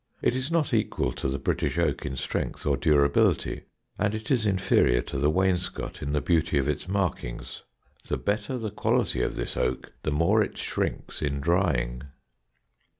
It is not equal to the British oak in strength or durability, and it is inferior to the wainscot in the beauty of its markings. The better the quality of this oak, the more it shrinks in drying.